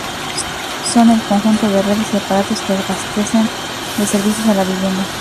Son el conjunto de redes y aparatos que abastecen de servicios a la vivienda.